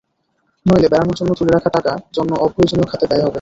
নইলে বেড়ানোর জন্য তুলে রাখা টাকা অন্য অপ্রয়োজনীয় খাতে ব্যয় হবে।